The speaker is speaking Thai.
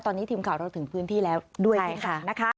ตอนนี้ทีมข่าวเราถึงพื้นที่แล้วด้วยนะคะ